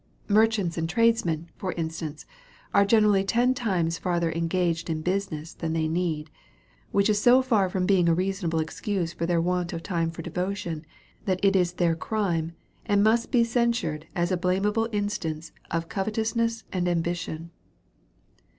Merchants and tradesmen, for instance, are genfi rally ten times farther engaged in business than they need; which is so far from being a reasonable excuse for their want of time for devotion, that it is their crime, and must be censured as a blameable instance of covetousness and ambition.